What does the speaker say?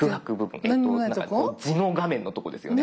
地の画面のとこですよね。